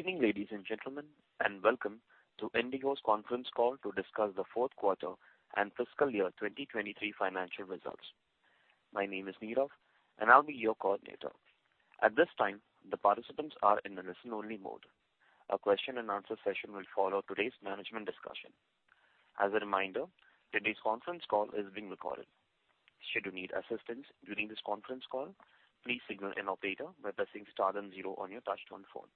Good evening, ladies and gentlemen, and welcome to IndiGo's conference call to discuss the fourth quarter and fiscal year 2023 financial results. My name is Nirav, and I'll be your coordinator. At this time, the participants are in a listen-only mode. A Q&A session will follow today's management discussion. As a reminder, today's conference call is being recorded. Should you need assistance during this conference call, please signal an operator by pressing star then zero on your touchtone phone.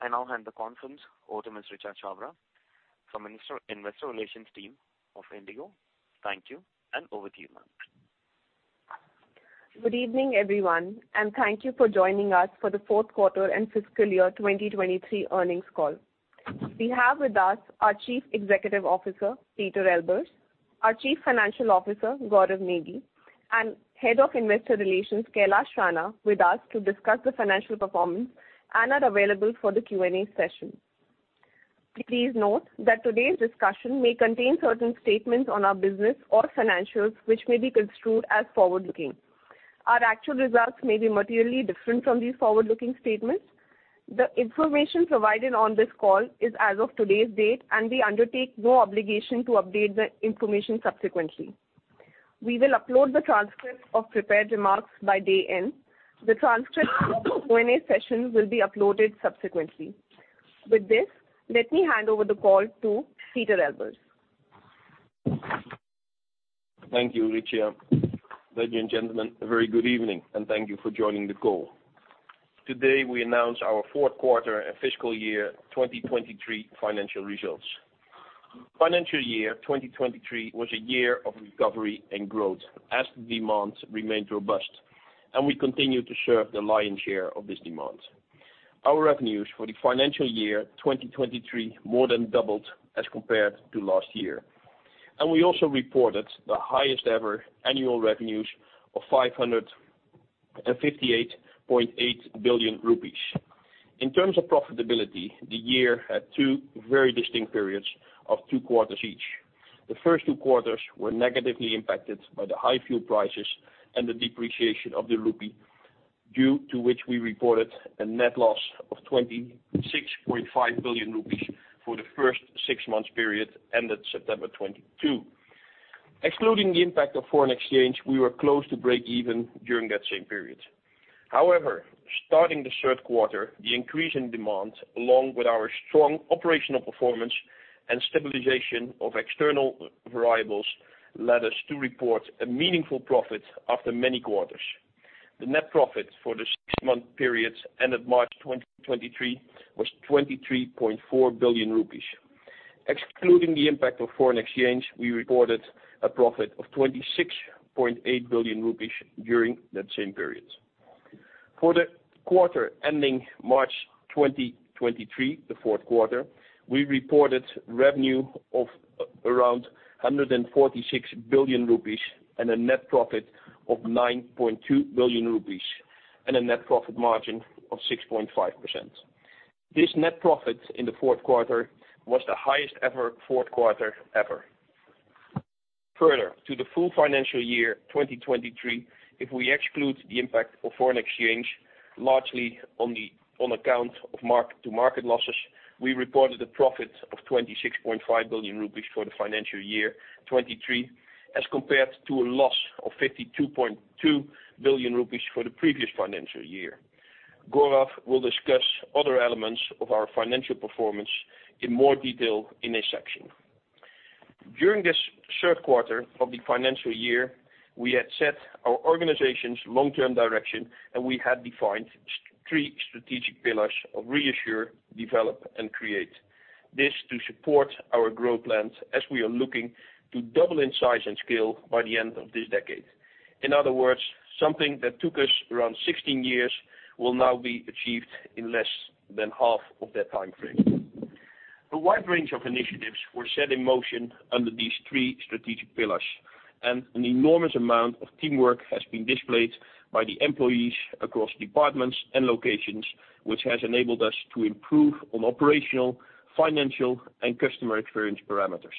I now hand the conference over to Ms. Richa Chhabra from Investor Relations team of IndiGo. Thank you, and over to you, ma'am. Good evening, everyone, thank you for joining us for the fourth quarter and fiscal year 2023 earnings call. We have with us our Chief Executive Officer, Pieter Elbers, our Chief Financial Officer, Gaurav Negi, and Head of Investor Relations, Kailash Rana with us to discuss the financial performance and are available for the Q&A session. Please note that today's discussion may contain certain statements on our business or financials which may be construed as forward-looking. Our actual results may be materially different from these forward-looking statements. The information provided on this call is as of today's date, and we undertake no obligation to update the information subsequently. We will upload the transcript of prepared remarks by day end. The transcript of Q&A session will be uploaded subsequently. With this, let me hand over the call to Pieter Elbers. Thank you, Richa. Ladies and gentlemen, a very good evening, and thank you for joining the call. Today, we announce our fourth quarter and fiscal year 2023 financial results. Financial year 2023 was a year of recovery and growth as demand remained robust, and we continued to serve the lion's share of this demand. Our revenues for the financial year 2023 more than doubled as compared to last year, and we also reported the highest ever annual revenues of 558.8 billion rupees. In terms of profitability, the year had two very distinct periods of two quarters each. The first two quarters were negatively impacted by the high fuel prices and the depreciation of the rupee, due to which we reported a net loss of 26.5 billion rupees for the first six months period ended September 2022. Excluding the impact of foreign exchange, we were close to break even during that same period. Starting the third quarter, the increase in demand, along with our strong operational performance and stabilization of external variables, led us to report a meaningful profit after many quarters. The net profit for the six-month period ended March 2023 was 23.4 billion rupees. Excluding the impact of foreign exchange, we reported a profit of 26.8 billion rupees during that same period. For the quarter ending March 2023, the fourth quarter, we reported revenue of around 146 billion rupees and a net profit of 9.2 billion rupees and a net profit margin of 6.5%. This net profit in the fourth quarter was the highest ever fourth quarter. Further, to the full financial year 2023, if we exclude the impact of foreign exchange, largely on account of mark-to-market losses, we reported a profit of 26.5 billion rupees for the financial year 2023, as compared to a loss of 52.2 billion rupees for the previous financial year. Gaurav will discuss other elements of our financial performance in more detail in a section. During this third quarter of the financial year, we had set our organization's long-term direction, and we had defined three strategic pillars of Reassure, Develop, and Create. This to support our growth plans as we are looking to double in size and scale by the end of this decade. In other words, something that took us around 16 years will now be achieved in less than half of that timeframe. A wide range of initiatives were set in motion under these three strategic pillars, and an enormous amount of teamwork has been displayed by the employees across departments and locations, which has enabled us to improve on operational, financial, and customer experience parameters.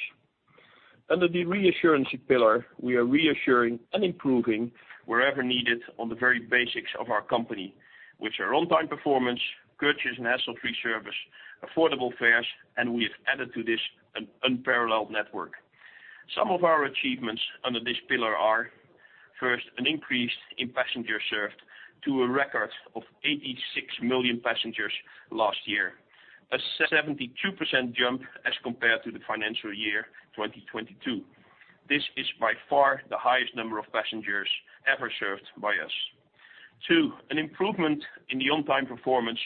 Under the Reassurance pillar, we are reassuring and improving wherever needed on the very basics of our company, which are on-time performance, courteous and hassle-free service, affordable fares, and we have added to this an unparalleled network. Some of our achievements under this pillar are, first, an increase in passengers served to a record of 86 million passengers last year, a 72% jump as compared to the financial year 2022. This is by far the highest number of passengers ever served by us. Two, an improvement in the on-time performance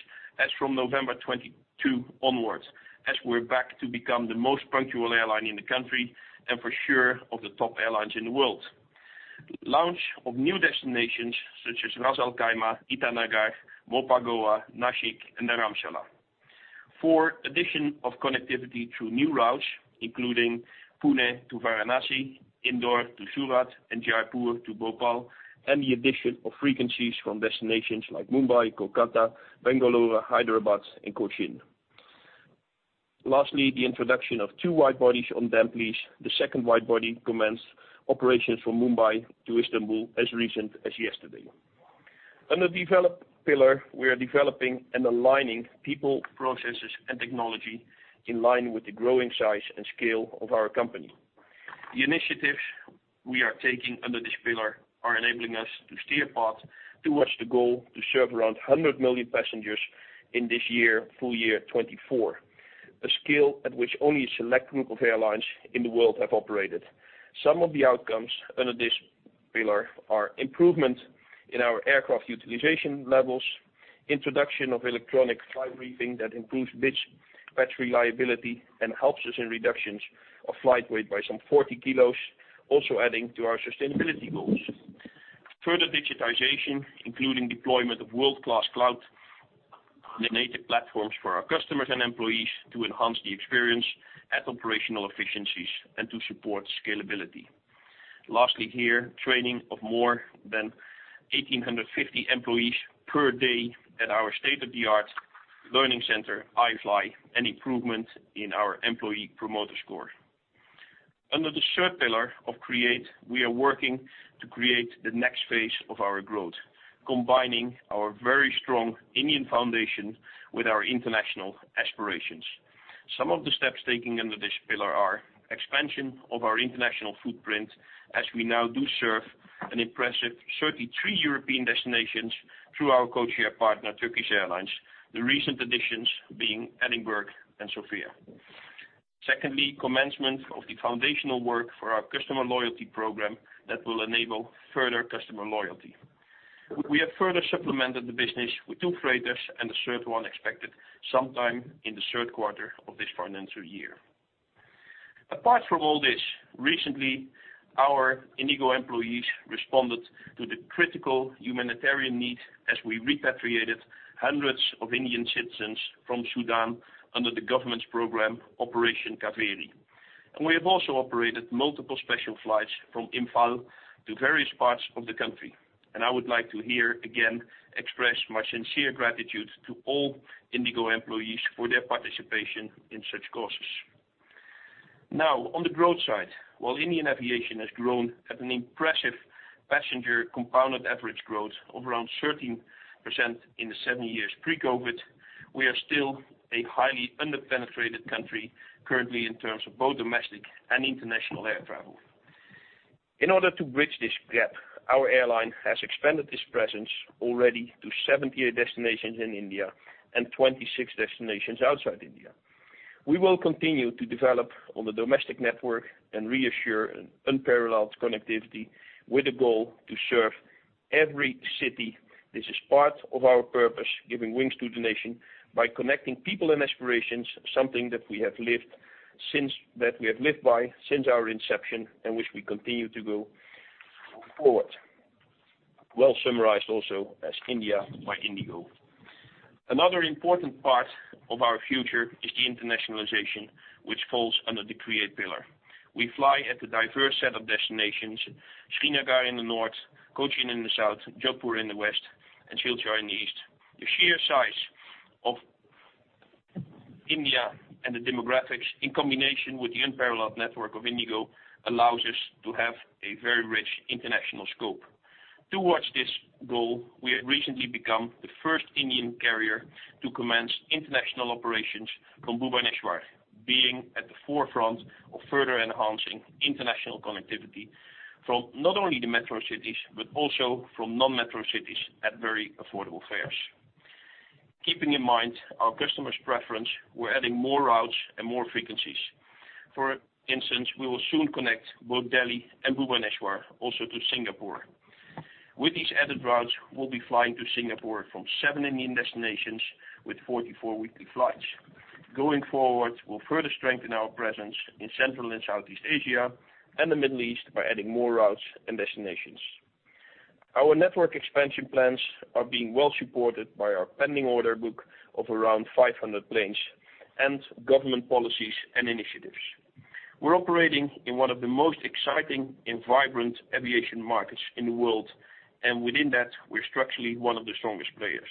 from November 2022 onwards, as we're back to become the most punctual airline in the country and for sure, of the top airlines in the world. Launch of new destinations such as Ras Al-Khaimah, Itanagar, Mopa, Goa, Nashik, and Dharamshala. Four, addition of connectivity through new routes, including Pune to Varanasi, Indore to Surat, and Jaipur to Bhopal, and the addition of frequencies from destinations like Mumbai, Kolkata, Bengaluru, Hyderabad, and Kochi. The introduction of two wide-bodies on damp lease. The second wide-body commenced operations from Mumbai to Istanbul as recent as yesterday. Under develop pillar, we are developing and aligning people, processes, and technology in line with the growing size and scale of our company. The initiatives we are taking under this pillar are enabling us to steer path towards the goal to serve around 100 million passengers in this year, full year 2024. A scale at which only a select group of airlines in the world have operated. Some of the outcomes under this pillar are improvement in our aircraft utilization levels, introduction of electronic flight briefing that improves patch reliability, and helps us in reductions of flight weight by some 40 kilos, also adding to our sustainability goals. Further digitization, including deployment of world-class cloud-native platforms for our customers and employees to enhance the experience as operational efficiencies and to support scalability. Lastly here, training of more than 1,850 employees per day at our state-of-the-art learning center, iFly, and improvement in our employee promoter score. Under the third pillar of Create, we are working to create the next phase of our growth, combining our very strong Indian foundation with our international aspirations. Some of the steps taken under this pillar are expansion of our international footprint as we now do serve an impressive 33 European destinations through our codeshare partner, Turkish Airlines, the recent additions being Edinburgh and Sofia. Secondly, commencement of the foundational work for our customer loyalty program that will enable further customer loyalty. We have further supplemented the business with two freighters and the third one expected sometime in the third quarter of this financial year. Apart from all this, recently, our IndiGo employees responded to the critical humanitarian need as we repatriated hundreds of Indian citizens from Sudan under the government's program, Operation Kaveri. We have also operated multiple special flights from Imphal to various parts of the country. I would like to here, again, express my sincere gratitude to all IndiGo employees for their participation in such causes. On the growth side, while Indian aviation has grown at an impressive passenger compounded average growth of around 13% in the seven years pre-COVID, we are still a highly under-penetrated country currently in terms of both domestic and international air travel. In order to bridge this gap, our airline has expanded its presence already to 78 destinations in India and 26 destinations outside India. We will continue to develop on the domestic network and reassure an unparalleled connectivity with the goal to serve every city. This is part of our purpose, giving wings to the nation, by connecting people and aspirations, something that we have lived by since our inception and which we continue to go forward. Well summarized also as India by IndiGo. Another important part of our future is the internationalization, which falls under the Create pillar. We fly at a diverse set of destinations, Srinagar in the north, Cochin in the south, Jaipur in the west, and Silchar in the east. The sheer size of India and the demographics, in combination with the unparalleled network of IndiGo, allows us to have a very rich international scope. Towards this goal, we have recently become the first Indian carrier to commence international operations from Bhubaneswar, being at the forefront of further enhancing international connectivity from not only the metro cities, but also from non-metro cities at very affordable fares. Keeping in mind our customers' preference, we're adding more routes and more frequencies. For instance, we will soon connect both Delhi and Bhubaneswar also to Singapore. With these added routes, we'll be flying to Singapore from seven Indian destinations with 44 weekly flights. Going forward, we'll further strengthen our presence in Central and Southeast Asia and the Middle East by adding more routes and destinations. Our network expansion plans are being well-supported by our pending order book of around 500 planes and government policies and initiatives. We're operating in one of the most exciting and vibrant aviation markets in the world, and within that, we're structurally one of the strongest players.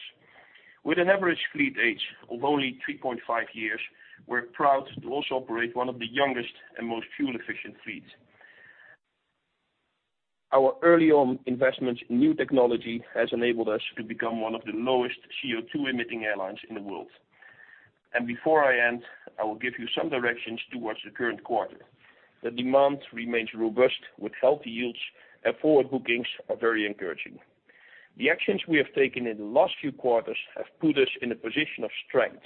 With an average fleet age of only 3.5 years, we're proud to also operate one of the youngest and most fuel-efficient fleets. Our early-on investments in new technology has enabled us to become one of the lowest CO2-emitting airlines in the world. Before I end, I will give you some directions towards the current quarter. The demand remains robust with healthy yields. Forward bookings are very encouraging. The actions we have taken in the last few quarters have put us in a position of strength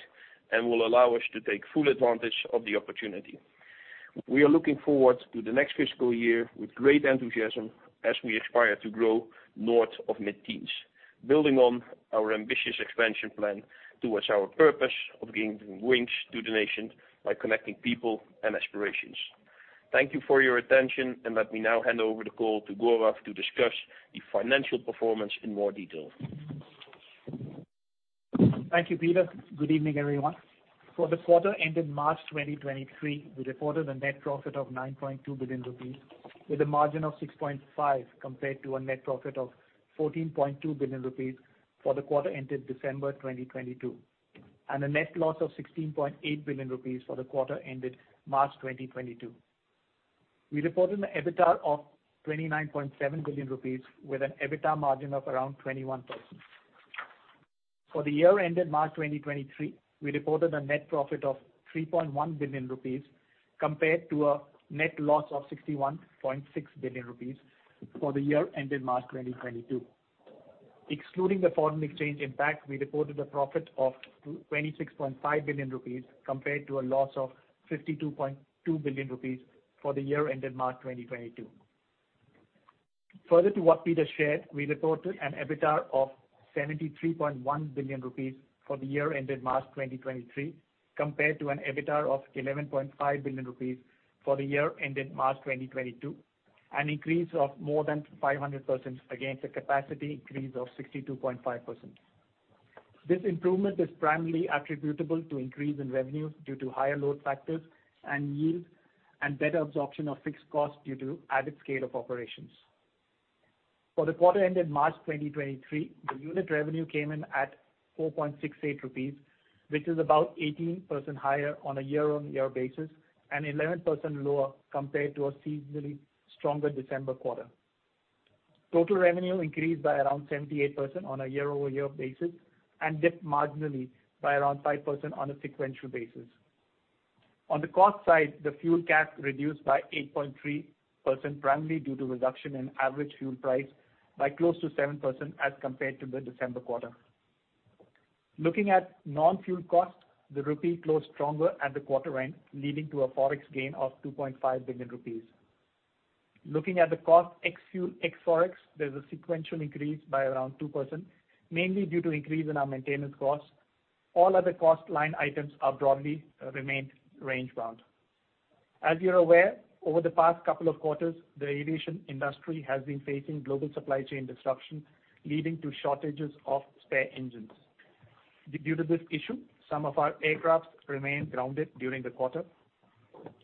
and will allow us to take full advantage of the opportunity. We are looking forward to the next fiscal year with great enthusiasm as we aspire to grow north of mid-teens, building on our ambitious expansion plan towards our purpose of giving wings to the nation by connecting people and aspirations. Thank you for your attention. Let me now hand over the call to Gaurav to discuss the financial performance in more detail. Thank you, Pieter. Good evening, everyone. For the quarter ending March 2023, we reported a net profit of 9.2 billion rupees. With a margin of 6.5%, compared to a net profit of 14.2 billion rupees for the quarter ended December 2022. A net loss of 16.8 billion rupees for the quarter ended March 2022. We reported an EBITDA of 29.7 billion rupees with an EBITDA margin of around 21%. For the year ended March 2023, we reported a net profit of 3.1 billion rupees compared to a net loss of 61.6 billion rupees for the year ended March 2022. Excluding the foreign exchange impact, we reported a profit of 26.5 billion rupees compared to a loss of 52.2 billion rupees for the year ended March 2022. Further to what Pieter shared, we reported an EBITDA of 73.1 billion rupees for the year ended March 2023 compared to an EBITDA of 11.5 billion rupees for the year ended March 2022. An increase of more than 500% against a capacity increase of 62.5%. This improvement is primarily attributable to increase in revenue due to higher load factors and yield, and better absorption of fixed costs due to added scale of operations. For the quarter ended March 2023, the unit revenue came in at 4.68 rupees, which is about 18% higher on a year-on-year basis, and 11% lower compared to a seasonally stronger December quarter. Total revenue increased by around 78% on a year-over-year basis and dipped marginally by around 5% on a sequential basis. On the cost side, the fuel CASK reduced by 8.3%, primarily due to reduction in average fuel price by close to 7% as compared to the December quarter. Looking at non-fuel costs, the rupee closed stronger at the quarter end, leading to a Forex gain of 2.5 billion rupees. Looking at the cost ex-fuel, ex-Forex, there's a sequential increase by around 2%, mainly due to increase in our maintenance costs. All other cost line items are broadly remained range-bound. As you're aware, over the past couple of quarters, the aviation industry has been facing global supply chain disruptions, leading to shortages of spare engines. Due to this issue, some of our aircraft remained grounded during the quarter.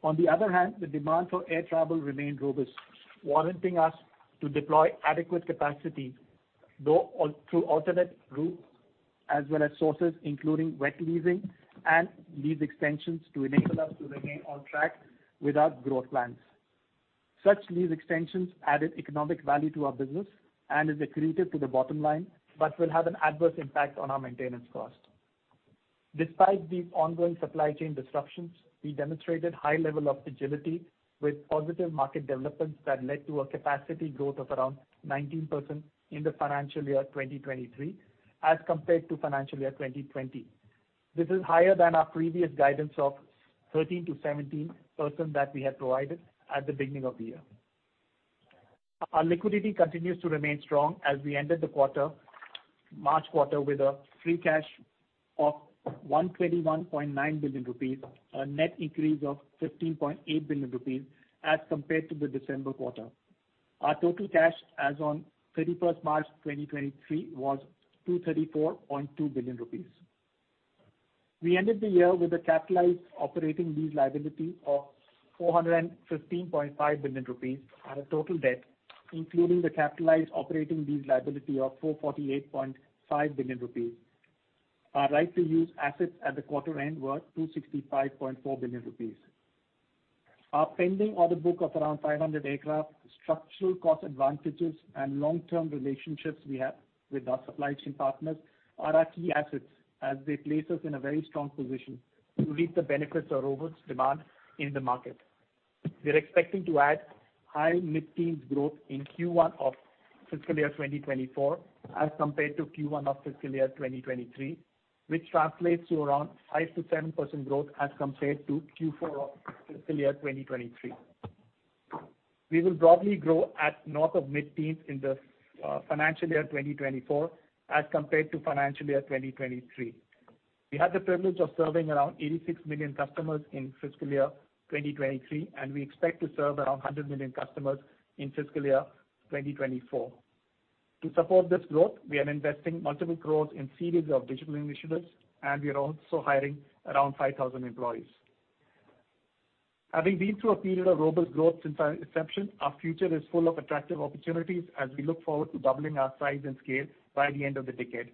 On the other hand, the demand for air travel remained robust, warranting us to deploy adequate capacity though al-through alternate routes as well as sources, including wet leasing and lease extensions to enable us to remain on track with our growth plans. Such lease extensions added economic value to our business and is accretive to the bottom line, but will have an adverse impact on our maintenance cost. Despite these ongoing supply chain disruptions, we demonstrated high level of agility with positive market developments that led to a capacity growth of around 19% in the financial year 2023 as compared to financial year 2020. This is higher than our previous guidance of 13%-17% that we had provided at the beginning of the year. Our liquidity continues to remain strong as we ended the quarter, March quarter with a free cash of 121.9 billion rupees, a net increase of 15.8 billion rupees as compared to the December quarter. Our total cash as on 31 March 2023 was 234.2 billion rupees. We ended the year with a capitalized operating lease liability of 415.5 billion rupees and a total debt including the capitalized operating lease liability of 448.5 billion rupees. Our right to use assets at the quarter end were 265.4 billion rupees. Our pending order book of around 500 aircraft, structural cost advantages and long-term relationships we have with our supply chain partners are our key assets, as they place us in a very strong position to reap the benefits of robust demand in the market. We are expecting to add high mid-teens growth in Q1 of fiscal year 2024 as compared to Q1 of fiscal year 2023, which translates to around 5%-7% growth as compared to Q4 of fiscal year 2023. We will broadly grow at north of mid-teens in the financial year 2024 as compared to financial year 2023. We had the privilege of serving around 86 million customers in fiscal year 2023. We expect to serve around 100 million customers in fiscal year 2024. To support this growth, we are investing multiple growth in series of digital initiatives, and we are also hiring around 5,000 employees. Having been through a period of robust growth since our inception, our future is full of attractive opportunities as we look forward to doubling our size and scale by the end of the decade.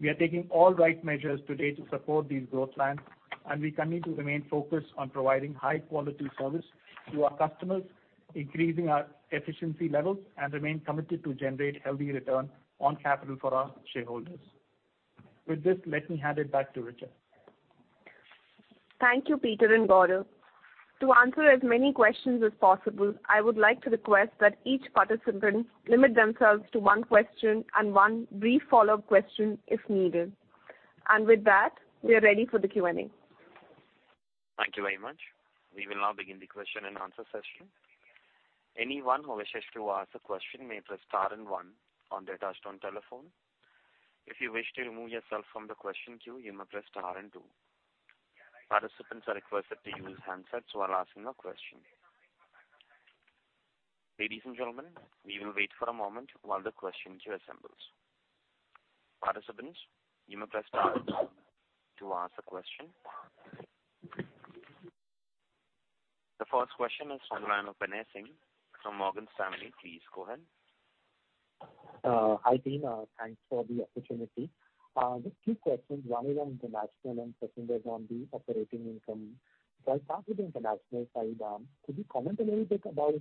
We are taking all right measures today to support these growth plans, and we continue to remain focused on providing high quality service to our customers, increasing our efficiency levels and remain committed to generate healthy return on capital for our shareholders. With this, let me hand it back to Richa. Thank you, Pieter and Gaurav. To answer as many questions as possible, I would like to request that each participant limit themselves to one question and one brief follow-up question if needed. With that, we are ready for the Q&A. Thank you very much. We will now begin the Q&A session. Anyone who wishes to ask a question may press star and one on their touchtone telephone. If you wish to remove yourself from the question queue, you may press star and two. Participants are requested to use handsets while asking a question. Ladies and gentlemen, we will wait for a moment while the question queue assembles. Participants, you may press star to ask a question. The first question is from the line of Binay Singh from Morgan Stanley. Please go ahead. Hi, team. Thanks for the opportunity. Just two questions. One is on international, and second is on the operating income. I'll start with the international side. Could you comment a little bit about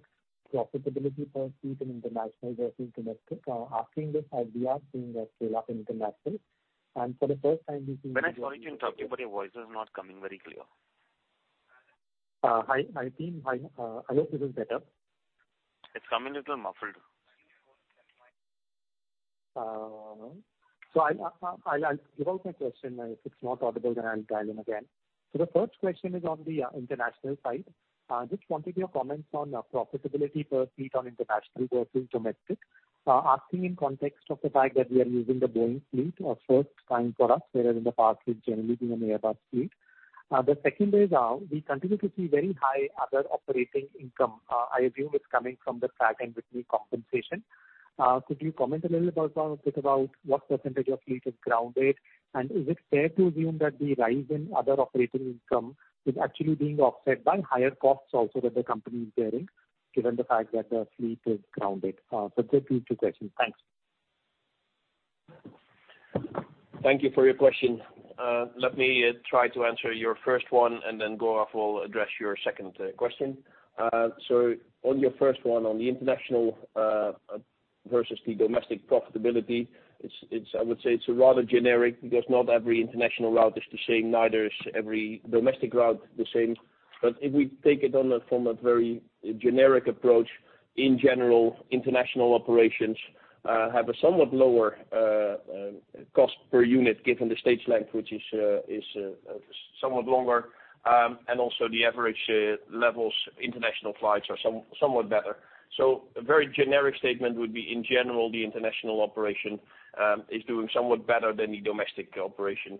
profitability per seat in international versus domestic? Asking this as we are seeing a scale-up international, and for the first time we've seen. Binay, sorry to interrupt you, but your voice is not coming very clear. Hi, team. I hope it is better. It's coming a little muffled. I'll give out my question, and if it's not audible, then I'll dial in again. The first question is on the international side. Just wanted your comments on profitability per seat on international versus domestic. Asking in context of the fact that we are using the Boeing fleet for first time for us, whereas in the past it's generally been an Airbus fleet. The second is, we continue to see very high other operating income. I assume it's coming from the fact and with the compensation. Could you comment a bit about what percent of fleet is grounded? Is it fair to assume that the rise in other operating income is actually being offset by higher costs also that the company is bearing, given the fact that the fleet is grounded? Those are the two questions. Thanks. Thank you for your question. Let me try to answer your first one, and then Gaurav will address your second question. On your first one, on the international versus the domestic profitability, it's I would say it's rather generic because not every international route is the same, neither is every domestic route the same. If we take it on a, from a very generic approach, in general, international operations have a somewhat lower cost per unit given the stage length, which is somewhat longer. Also the average levels, international flights are somewhat better. A very generic statement would be, in general, the international operation is doing somewhat better than the domestic operation.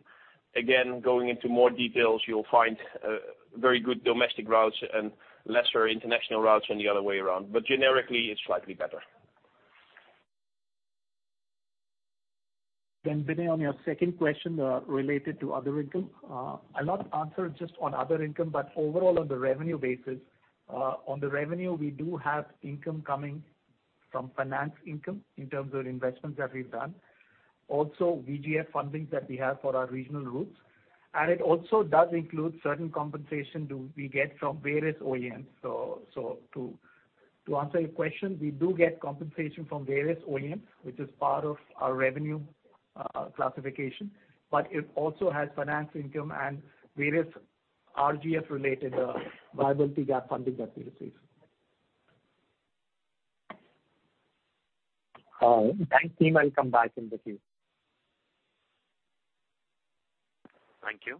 Going into more details, you'll find very good domestic routes and lesser international routes and the other way around. Generically, it's slightly better. Binay, on your second question, related to other income, I'll not answer just on other income, but overall on the revenue basis. On the revenue, we do have income coming from finance income in terms of investments that we've done. Also VGF fundings that we have for our regional routes. It also does include certain compensation we get from various OEMs. To answer your question, we do get compensation from various OEMs, which is part of our revenue classification, but it also has finance income and various VGF-related viability gap funding that we receive. Thanks, team. I'll come back in the queue. Thank you.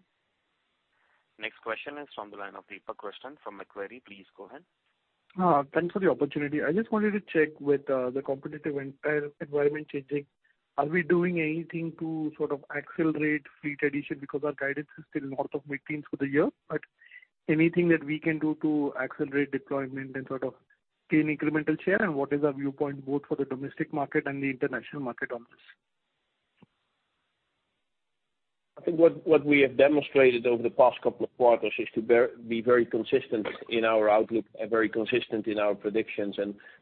Next question is from the line of Deepak Krishnan from Macquarie. Please go ahead. Thanks for the opportunity. I just wanted to check with, the competitive environment changing, are we doing anything to sort of accelerate fleet addition? Because our guidance is still north of mid-teens for the year, but anything that we can do to accelerate deployment and sort of gain incremental share, and what is our viewpoint both for the domestic market and the international market on this? I think what we have demonstrated over the past couple of quarters is to be very consistent in our outlook and very consistent in our predictions.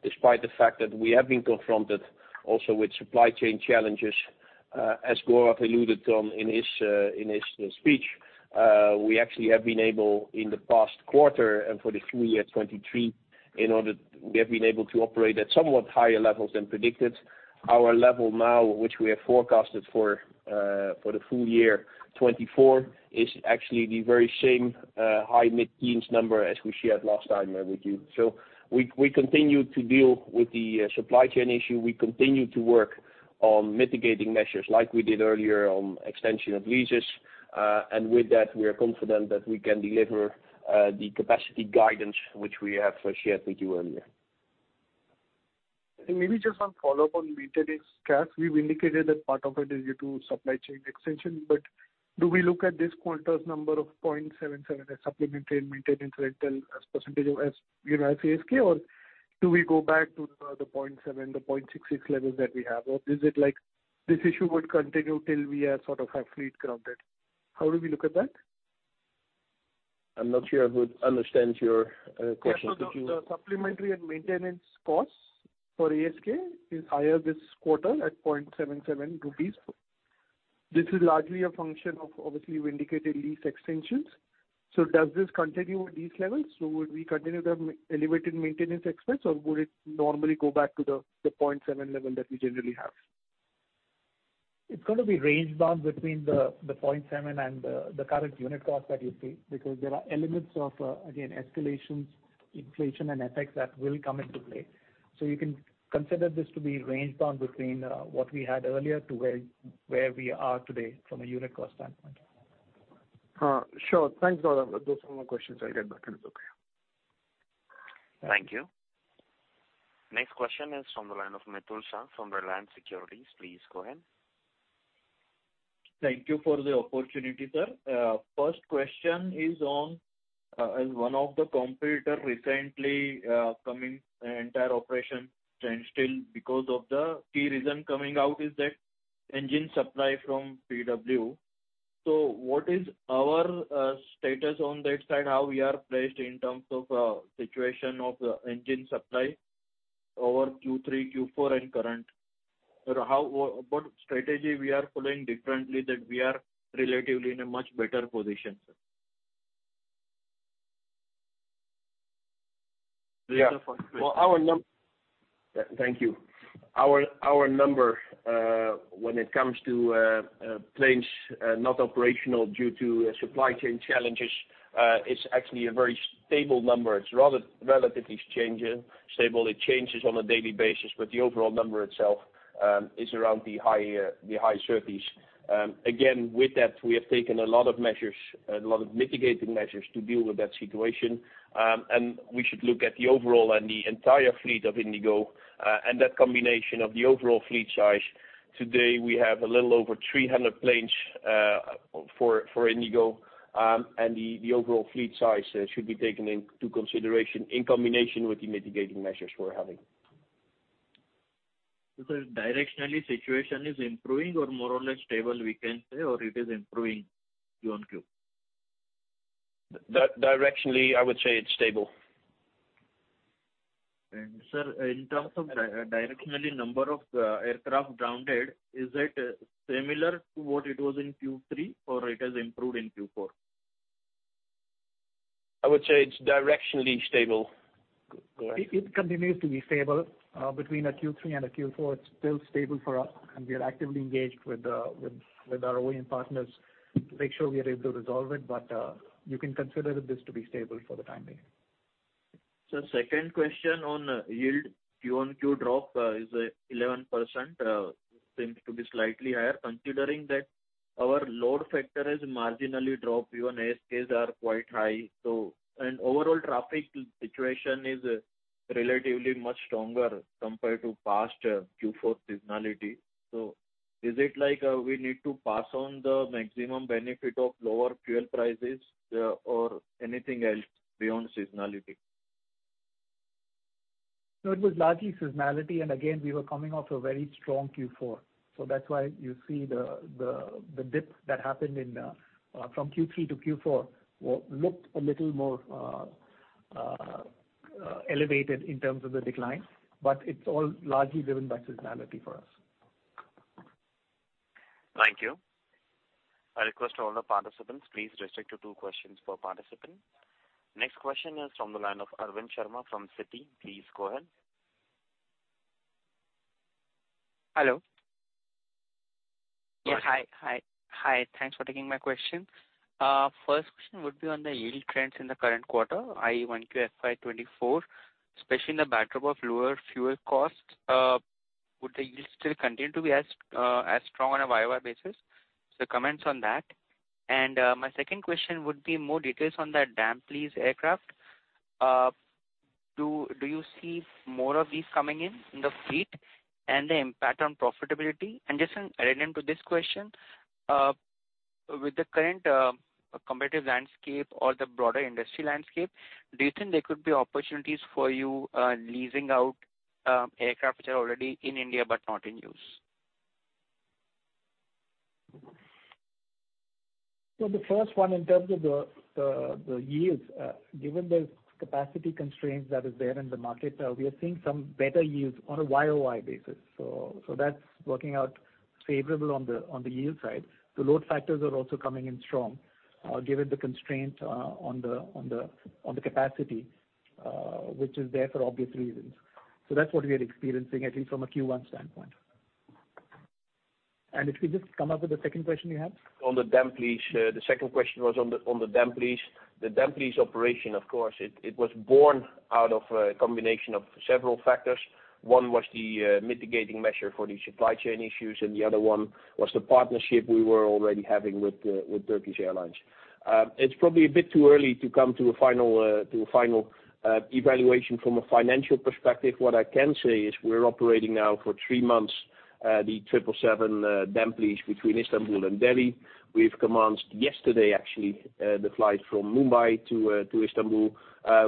Despite the fact that we have been confronted also with supply chain challenges, as Gaurav alluded to in his speech, we actually have been able in the past quarter and for the full year 2023, we have been able to operate at somewhat higher levels than predicted. Our level now, which we have forecasted for the full year 2024, is actually the very same high mid-teens number as we shared last time with you. We continue to deal with the supply chain issue. We continue to work on mitigating measures like we did earlier on extension of leases. With that, we are confident that we can deliver the capacity guidance which we have shared with you earlier. Maybe just one follow-up on maintenance cost. You've indicated that part of it is due to supply chain extension. Do we look at this quarter's number of 0.77 as supplementary and maintenance rental as percentage of, you know, ASK? Do we go back to the 0.7, the 0.66 levels that we have? Is it like this issue would continue till we are sort of have fleet grounded? How do we look at that? I'm not sure I would understand your question. Yeah. The supplementary and maintenance costs for ASK is higher this quarter at 0.77 rupees. [inaudible] Does this continue at these levels? Would we continue the elevated maintenance expense, or would it normally go back to the 0.7 level that we generally have? It's gonna be range bound between the 0.7 and the current unit cost that you see, because there are elements of again, escalations, inflation and FX that will come into play. You can consider this to be range bound between what we had earlier to where we are today from a unit cost standpoint. Sure. Thanks to all. Those are my questions. I'll get back in the queue. Thank you. Next question is from the line of Mitul Shah from Reliance Securities. Please go ahead. Thank you for the opportunity, sir. First question is on, one of the competitor recently, coming entire operation standstill because of the key reason coming out is that engine supply from PW. What is our status on that side? How we are placed in terms of, situation of the engine supply over Q3, Q4 and current? What strategy we are following differently that we are relatively in a much better position, sir? Yeah. Well, Thank you. Our number, when it comes to planes, not operational due to supply chain challenges, is actually a very stable number. It's rather relatively changing, stable. It changes on a daily basis, but the overall number itself, is around the high, the high 30s. Again, with that, we have taken a lot of measures, a lot of mitigating measures to deal with that situation. We should look at the overall and the entire fleet of IndiGo, and that combination of the overall fleet size. Today, we have a little over 300 planes, for IndiGo, the overall fleet size should be taken into consideration in combination with the mitigating measures we're having. Directionally situation is improving or more or less stable we can say, or it is improving Q on Q? Directionally, I would say it's stable. Sir, in terms of directionally number of aircraft grounded, is it similar to what it was in Q3 or it has improved in Q4? I would say it's directionally stable. Go ahead. It continues to be stable. Between a Q3 and a Q4, it's still stable for us, and we are actively engaged with our OEM partners to make sure we are able to resolve it. You can consider this to be stable for the time being. Sir, second question on yield Q on Q drop, is 11%. Seems to be slightly higher. Considering that our load factor has marginally dropped even as fares are quite high. Overall traffic situation is relatively much stronger compared to past Q4 seasonality. Is it like, we need to pass on the maximum benefit of lower fuel prices, or anything else beyond seasonality? No, it was largely seasonality. Again, we were coming off a very strong Q4. That's why you see the dip that happened in from Q3 to Q4 looked a little more elevated in terms of the decline, but it's all largely driven by seasonality for us. Thank you. I request all the participants, please restrict to two questions per participant. Next question is from the line of Arvind Sharma from Citi. Please go ahead. Hello. Yes. Hi. Hi. Hi. Thanks for taking my question. First question would be on the yield trends in the current quarter, IE1Q FY 2024, especially in the backdrop of lower fuel costs, would the yield still continue to be as strong on a YOY basis? Comments on that. My second question would be more details on that damp lease aircraft. Do you see more of these coming in the fleet and the impact on profitability? Just an addendum to this question, with the current competitive landscape or the broader industry landscape, do you think there could be opportunities for you leasing out aircraft which are already in India but not in use? The first one, in terms of the yields, given the capacity constraints that is there in the market, we are seeing some better yields on a YOY basis. That's working out favorable on the yield side. The load factors are also coming in strong, given the constraint on the capacity, which is there for obvious reasons. That's what we are experiencing, at least from a Q1 standpoint. If you just come up with the second question you have. On the damp lease, the second question was on the damp lease. The damp lease operation, of course, it was born out of a combination of several factors. One was the mitigating measure for the supply chain issues, and the other one was the partnership we were already having with Turkish Airlines. It's probably a bit too early to come to a final evaluation from a financial perspective. What I can say is we're operating now for three months, the triple seven damp lease between Istanbul and Delhi. We've commenced yesterday, actually, the flight from Mumbai to Istanbul.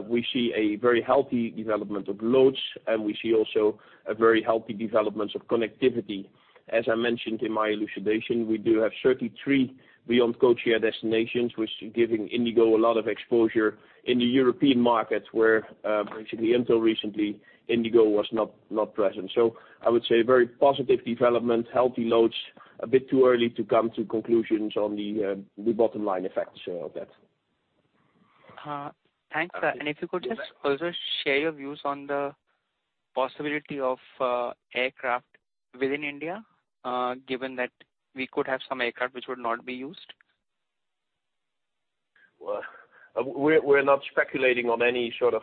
We see a very healthy development of loads, we see also a very healthy development of connectivity. As I mentioned in my elucidation, we do have 33 beyond codeshare destinations, which is giving IndiGo a lot of exposure in the European markets where, basically until recently, IndiGo was not present. I would say very positive development, healthy loads, a bit too early to come to conclusions on the bottom line effects of that. Thanks. If you could just also share your views on the possibility of aircraft within India, given that we could have some aircraft which would not be used. We're not speculating on any sort of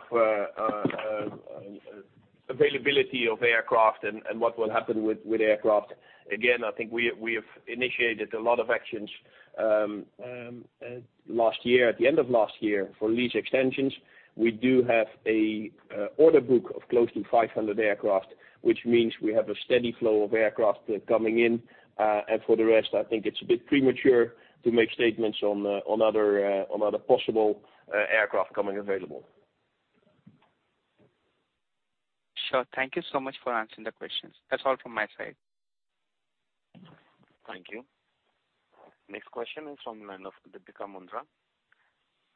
availability of aircraft and what will happen with aircraft. Again, I think we have initiated a lot of actions. Last year, at the end of last year for lease extensions, we do have an order book of close to 500 aircraft, which means we have a steady flow of aircraft coming in. And for the rest, I think it's a bit premature to make statements on other possible aircraft coming available. Sure. Thank you so much for answering the questions. That's all from my side. Thank you. Next question is from the line of Deepika Mundra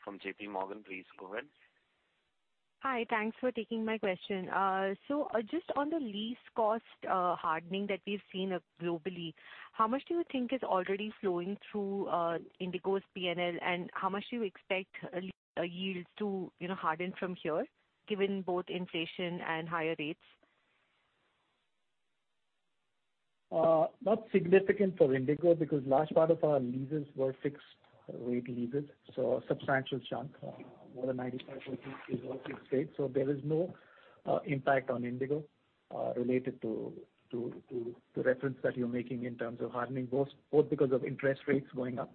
from JPMorgan. Please go ahead. Hi. Thanks for taking my question. Just on the lease cost hardening that we've seen globally, how much do you think is already flowing through IndiGo's PNL, and how much do you expect yields to, you know, harden from here, given both inflation and higher rates? Not significant for IndiGo because large part of our leases were fixed rate leases, so a substantial chunk, more than 95% is all fixed rate. There is no impact on IndiGo related to reference that you're making in terms of hardening both because of interest rates going up.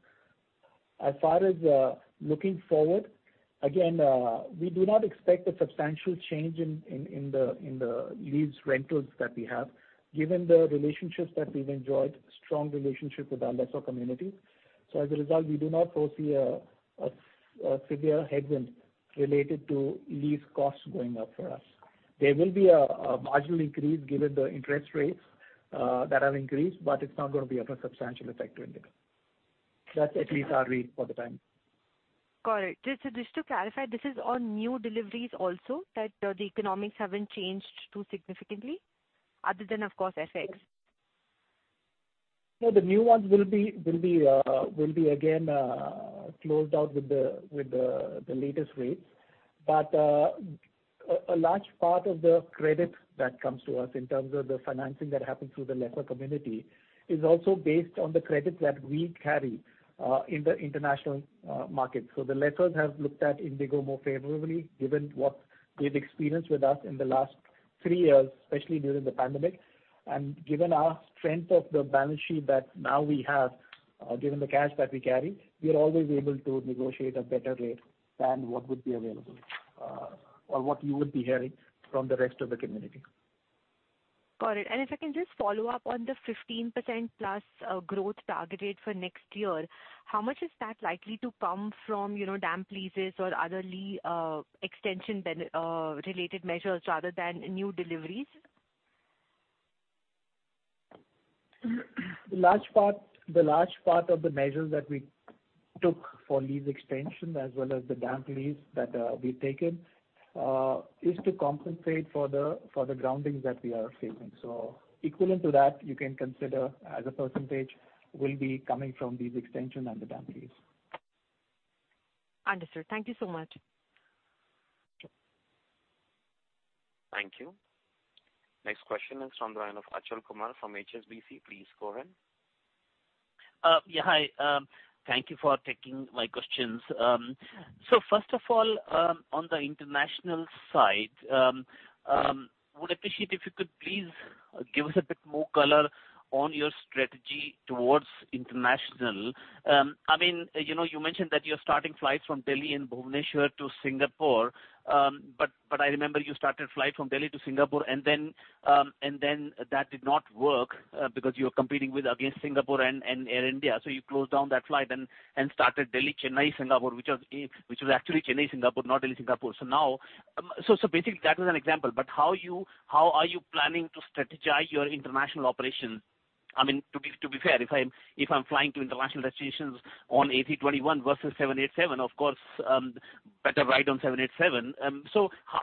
Looking forward, again, we do not expect a substantial change in the lease rentals that we have, given the relationships that we've enjoyed, strong relationships with our lessor community. We do not foresee a severe headwind related to lease costs going up for us. There will be a marginal increase given the interest rates that have increased, but it's not gonna be of a substantial effect to IndiGo. That's at least our read for the time. Got it. Just to clarify, this is on new deliveries also that the economics haven't changed too significantly other than, of course, FX? No, the new ones will be again closed out with the latest rates. A large part of the credit that comes to us in terms of the financing that happens through the lessor community is also based on the credit that we carry in the international market. The lessors have looked at IndiGo more favorably given what they've experienced with us in the last three years, especially during the pandemic. Given our strength of the balance sheet that now we have, given the cash that we carry, we are always able to negotiate a better rate than what would be available, or what you would be hearing from the rest of the community. Got it. If I can just follow up on the 15% plus growth target rate for next year, how much is that likely to come from, you know, damp leases or other extension related measures rather than new deliveries? The large part of the measures that we took for lease extension as well as the damp lease that we've taken is to compensate for the groundings that we are facing. Equivalent to that, you can consider as a percentage will be coming from these extension and the damp lease. Understood. Thank you so much. Thank you. Next question is from the line of Achal Kumar from HSBC. Please go ahead. Yeah, hi. Thank you for taking my questions. First of all, on the international side, would appreciate if you could please give us a bit more color on your strategy towards international. I mean, you know, you mentioned that you're starting flights from Delhi and Bhubaneswar to Singapore, but I remember you started flight from Delhi to Singapore and then that did not work because you were competing against Singapore and Air India, so you closed down that flight and started Delhi-Chennai-Singapore, which was actually Chennai-Singapore, not Delhi-Singapore. Now basically that was an example. How you, how are you planning to strategize your international operations? I mean, to be fair, if I'm flying to international destinations on A321 versus 787, of course, better ride on 787.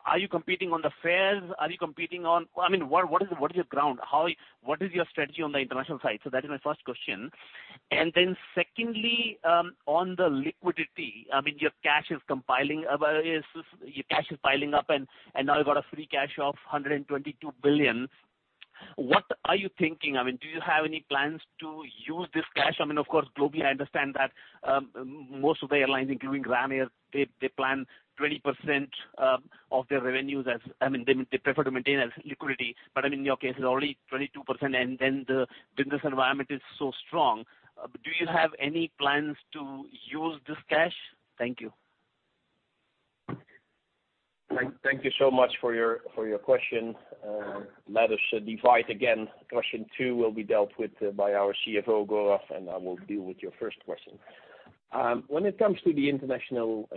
Are you competing on the fares? Are you competing on, I mean, what is your ground? What is your strategy on the international side? That is my first question. Secondly, on the liquidity, I mean, your cash is compiling, your cash is piling up and now you've got a free cash of 122 billion. What are you thinking? I mean, do you have any plans to use this cash? I mean, of course, globally, I understand that most of the airlines, including Ryanair, they plan 20% of their revenues as, I mean, they prefer to maintain as liquidity. I mean, in your case, it's only 22%, and then the business environment is so strong. Do you have any plans to use this cash? Thank you. Thank you so much for your question. Let us divide again. Question two will be dealt with by our CFO Gaurav, and I will deal with your first question. When it comes to the international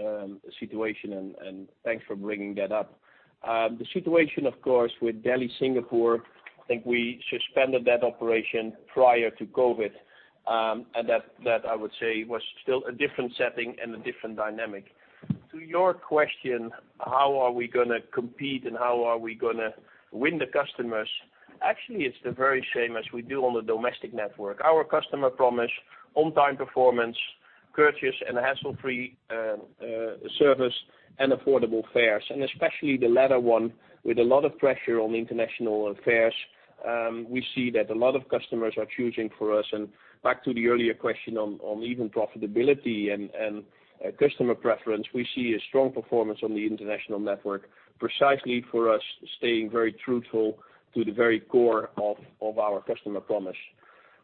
situation, and thanks for bringing that up. The situation of course with Delhi-Singapore, I think we suspended that operation prior to COVID, and that I would say was still a different setting and a different dynamic. To your question, how are we gonna compete and how are we gonna win the customers? Actually, it's the very same as we do on the domestic network. Our customer promise, on-time performance, courteous and hassle-free service and affordable fares, and especially the latter one with a lot of pressure on international fares. We see that a lot of customers are choosing for us. Back to the earlier question on even profitability and customer preference, we see a strong performance on the international network, precisely for us staying very truthful to the very core of our customer promise.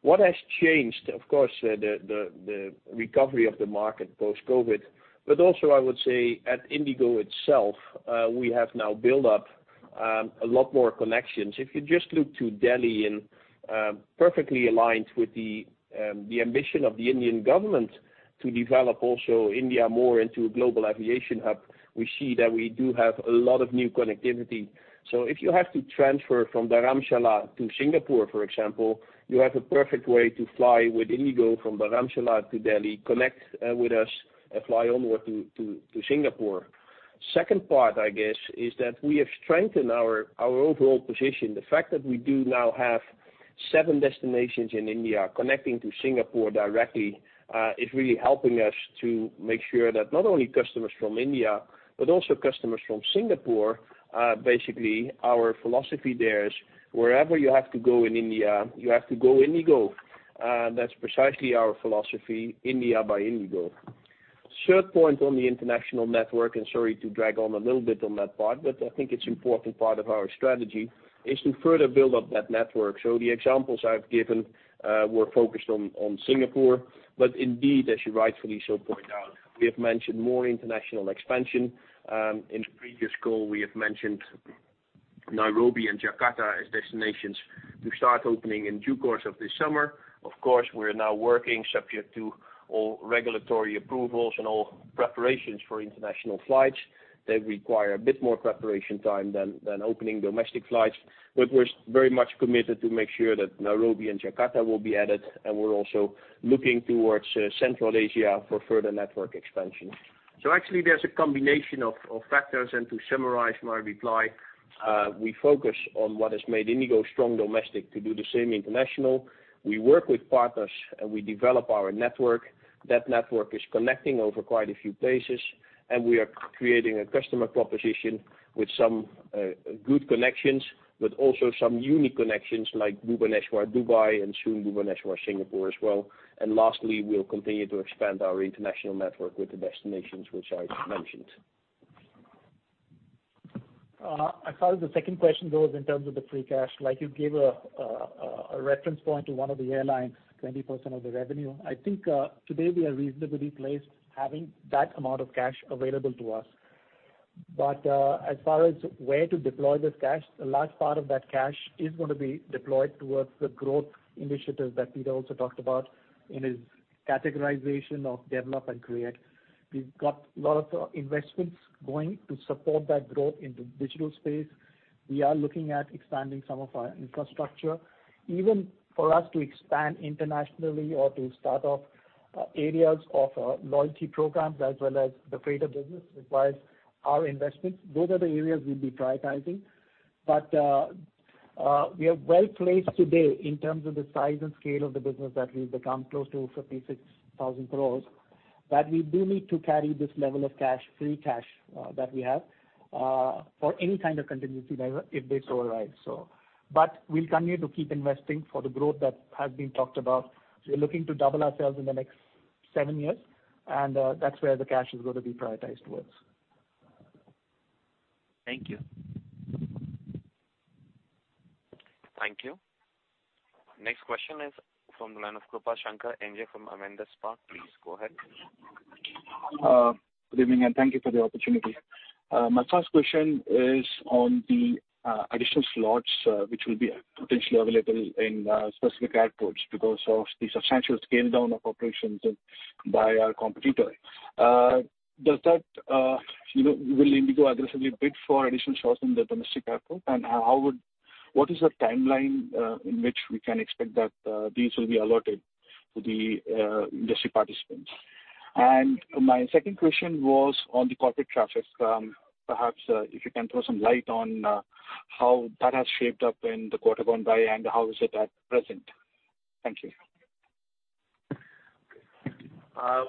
What has changed, of course, the recovery of the market post-COVID, but also I would say at IndiGo itself, we have now built up a lot more connections. If you just look to Delhi and perfectly aligned with the ambition of the Indian government to develop also India more into a global aviation hub, we see that we do have a lot of new connectivity. If you have to transfer from Dharamshala to Singapore, for example, you have a perfect way to fly with IndiGo from Dharamshala to Delhi, connect with us and fly onward to Singapore. Second part, I guess, is that we have strengthened our overall position. The fact that we do now have seven destinations in India connecting to Singapore directly, is really helping us to make sure that not only customers from India, but also customers from Singapore, basically our philosophy there is wherever you have to go in India, you have to go IndiGo. That's precisely our philosophy, India by IndiGo. Third point on the international network, sorry to drag on a little bit on that part, but I think it's important part of our strategy, is to further build up that network. The examples I've given, were focused on Singapore, but indeed, as you rightfully so point out, we have mentioned more international expansion. In the previous call, we have mentioned Nairobi and Jakarta as destinations to start opening in due course of this summer. Of course, we're now working subject to all regulatory approvals and all preparations for international flights that require a bit more preparation time than opening domestic flights. We're very much committed to make sure that Nairobi and Jakarta will be added, we're also looking towards Central Asia for further network expansion. Actually, there's a combination of factors. To summarize my reply, we focus on what has made IndiGo strong domestic to do the same international. We work with partners and we develop our network. That network is connecting over quite a few places, and we are creating a customer proposition with some good connections, but also some unique connections like Bhubaneswar-Dubai and soon Bhubaneswar-Singapore as well. Lastly, we'll continue to expand our international network with the destinations which I just mentioned. As far as the second question goes, in terms of the free cash, like you gave a reference point to one of the airlines, 20% of the revenue. I think today we are reasonably placed having that amount of cash available to us. As far as where to deploy this cash, a large part of that cash is gonna be deployed towards the growth initiatives that Pieter also talked about in his categorization of develop and create. We've got a lot of investments going to support that growth in the digital space. We are looking at expanding some of our infrastructure. Even for us to expand internationally or to start off areas of loyalty programs as well as the freighter business requires our investments. Those are the areas we'll be prioritizing. We are well placed today in terms of the size and scale of the business that we've become, close to 56,000 crores, that we do need to carry this level of cash, free cash that we have for any kind of contingency that, if this arrives. We'll continue to keep investing for the growth that has been talked about. We're looking to double ourselves in the next seven years, and that's where the cash is gonna be prioritized towards. Thank you. Thank you. Next question is from the line of Krupashankar NJ from Avendus Spark. Please go ahead. Good evening, and thank you for the opportunity. My first question is on the additional slots which will be potentially available in specific airports because of the substantial scale down of operations by our competitor. Does that, you know, will IndiGo aggressively bid for additional slots in the domestic airport? What is the timeline in which we can expect that these will be allotted to the industry participants? My second question was on the corporate traffic. Perhaps, if you can throw some light on how that has shaped up in the quarter gone by, and how is it at present? Thank you.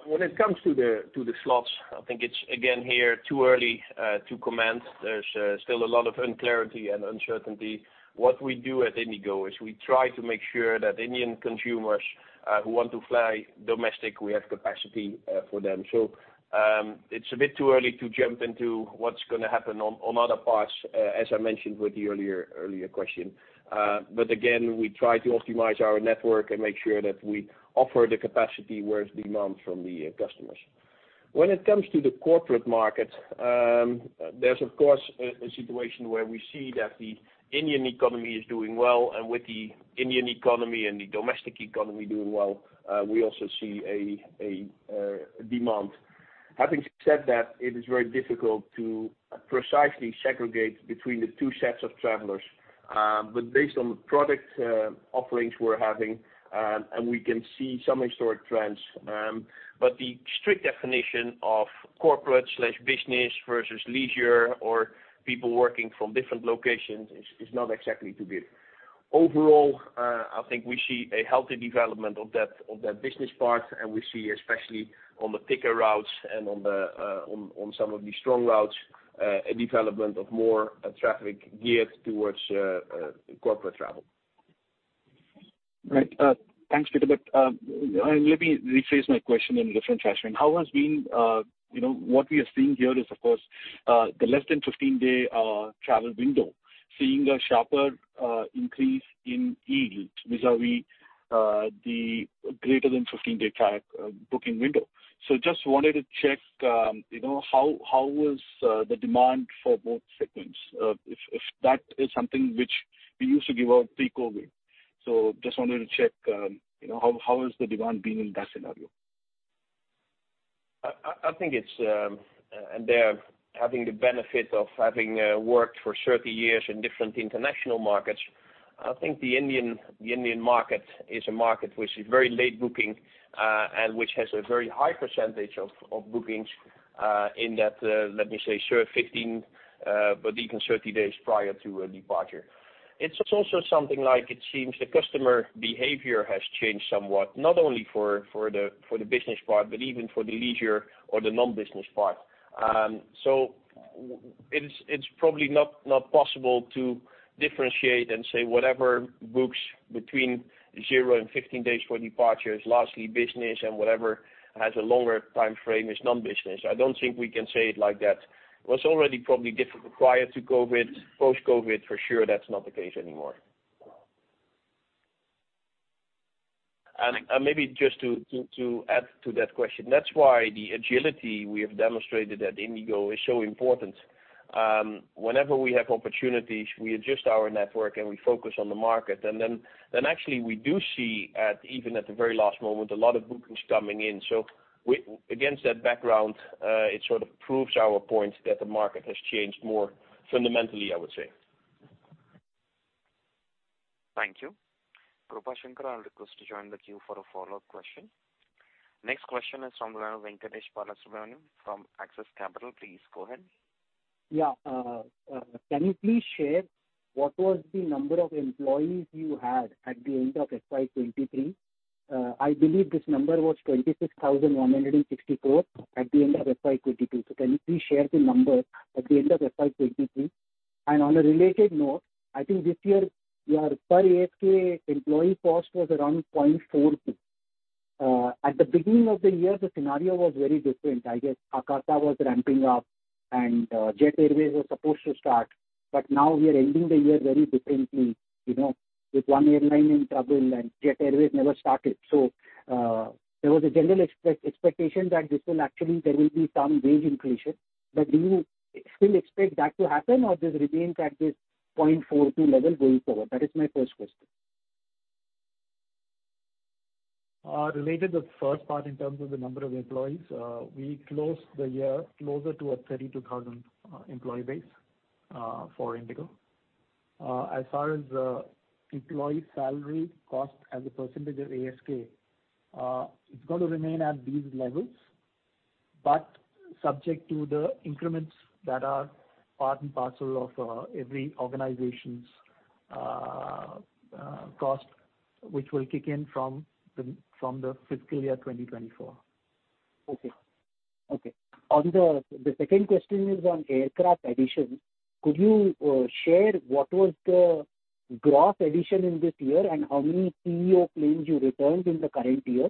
When it comes to the slots, I think it's, again, here, too early to comment. There's still a lot of unclarity and uncertainty. What we do at IndiGo is we try to make sure that Indian consumers who want to fly domestic, we have capacity for them. It's a bit too early to jump into what's gonna happen on other parts, as I mentioned with the earlier question. Again, we try to optimize our network and make sure that we offer the capacity where it's demand from the customers. When it comes to the corporate market, there's of course a situation where we see that the Indian economy is doing well, and with the Indian economy and the domestic economy doing well, we also see a demand. Having said that, it is very difficult to precisely segregate between the two sets of travelers. Based on the product offerings we're having, and we can see some historic trends, the strict definition of corporate/business versus leisure or people working from different locations is not exactly to be. Overall, I think we see a healthy development of that business part, we see especially on the thicker routes and on some of the strong routes, a development of more traffic geared towards corporate travel. Right. Thanks, Pieter, but, and let me rephrase my question in a different fashion. How has been, you know, what we are seeing here is of course, the less than 15-day travel window seeing a sharper increase in yield vis-à-vis the greater than 15-day booking window. Just wanted to check, you know, how was the demand for both segments, if that is something which we used to give out pre-COVID. Just wanted to check, you know, how is the demand being in that scenario? I think it's, and there having the benefit of having worked for 30 years in different international markets, I think the Indian market is a market which is very late booking, and which has a very high percentage of bookings in that, let me say sure 15, but even 30 days prior to a departure. It's also something like it seems the customer behavior has changed somewhat, not only for the business part, but even for the leisure or the non-business part. It is, it's probably not possible to differentiate and say whatever books between zero and 15 days for departure is largely business and whatever has a longer timeframe is non-business. I don't think we can say it like that. It was already probably difficult prior to COVID. Post-COVID for sure that's not the case anymore. Maybe just to add to that question, that's why the agility we have demonstrated at IndiGo is so important. Whenever we have opportunities, we adjust our network, and we focus on the market. Then actually we do see at, even at the very last moment, a lot of bookings coming in. We, against that background, it sort of proves our point that the market has changed more fundamentally, I would say. Thank you. Krupashankar, I'll request to join the queue for a follow-up question. Next question is from Venkatesh Balasubramaniam from Axis Capital. Please go ahead. Can you please share what was the number of employees you had at the end of FY 2023? I believe this number was 26,164 at the end of FY 2022. Can you please share the number at the end of FY 2023? On a related note, I think this year your per ASK employee cost was around 0.42. At the beginning of the year, the scenario was very different. I guess Akasa was ramping up and Jet Airways was supposed to start, but now we are ending the year very differently, you know, with one airline in trouble and Jet Airways never started. There was a general expectation that this will actually there will be some wage increase here. Do you still expect that to happen or this remains at this 0.42 level going forward? That is my first question. Related to the first part in terms of the number of employees, we closed the year closer to a 32,000 employee base for IndiGo. As far as employee salary cost as a % of ASK, it's gonna remain at these levels, but subject to the increments that are part and parcel of every organization's cost, which will kick in from the fiscal year 2024. Okay, okay. The second question is on aircraft addition. Could you, share what was the gross addition in this year and how many ceo planes you returned in the current year?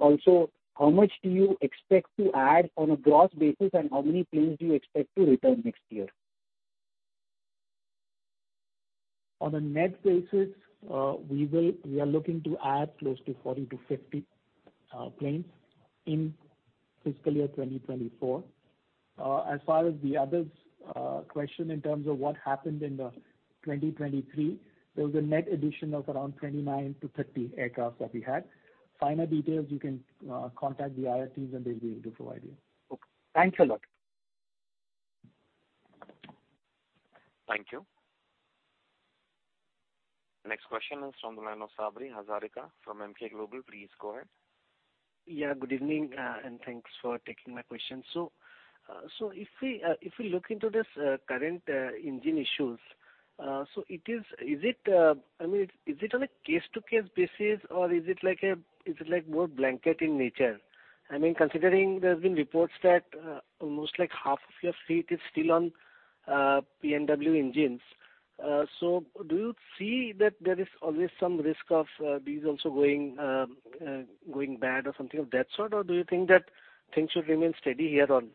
Also how much do you expect to add on a gross basis and how many planes do you expect to return next year? On a net basis, we are looking to add close to 40-50 planes in fiscal year 2024. As far as the other question in terms of what happened in the 2023, there was a net addition of around 29-30 aircraft that we had. Finer details you can contact the IR teams and they'll be able to provide you. Okay. Thanks a lot. Thank you. Next question is from the line of Sabri Hazarika from Emkay Global. Please go ahead. Yeah, good evening, and thanks for taking my question. If we look into this current engine issues, is it, I mean, is it on a case-to-case basis or is it like a, is it like more blanket in nature? I mean, considering there's been reports that almost like half of your fleet is still on P&W engines. Do you see that there is always some risk of these also going bad or something of that sort? Or do you think that things should remain steady here on?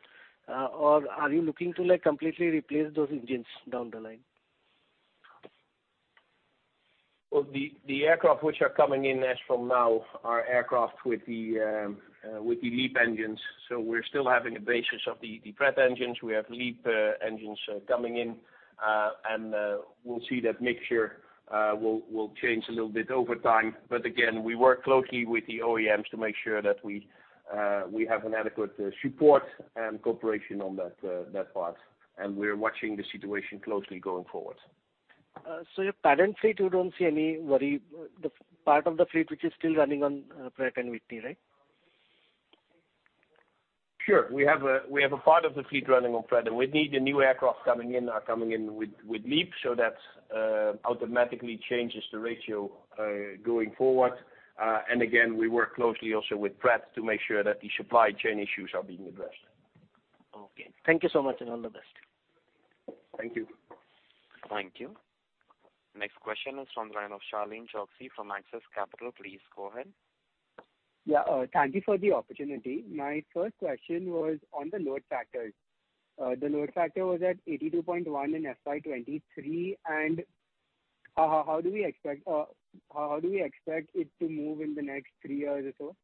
Or are you looking to like completely replace those engines down the line? The aircraft which are coming in as from now are aircraft with the LEAP engines. We're still having a basis of the Pratt engines. We have LEAP engines coming in, and we'll see that mixture will change a little bit over time. Again, we work closely with the OEMs to make sure that we have an adequate support and cooperation on that part, and we're watching the situation closely going forward. Your current fleet you don't see any worry, the part of the fleet which is still running on, Pratt & Whitney, right? Sure. We have a part of the fleet running on Pratt & Whitney. The new aircraft coming in are coming in with LEAP, so that automatically changes the ratio going forward. Again, we work closely also with Pratt to make sure that the supply chain issues are being addressed. Thank you so much, and all the best. Thank you. Thank you. Next question is from the line of [Sharleen Choksi] from Axis Capital. Please go ahead. Yeah, thank you for the opportunity. My first question was on the load factors. The load factor was at 82.1 in FY 2023. How do we expect it to move in the next three years or so?